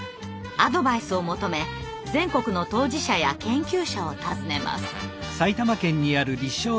アドバイスを求め全国の当事者や研究者を訪ねます。